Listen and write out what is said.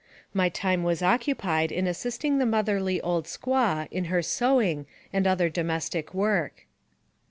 My time was occupied in assisting the motherly old squaw in her sewing and other domestic work.